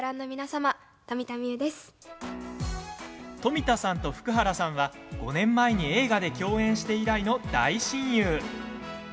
富田さんと福原さんは５年前に映画で共演して以来の大親友。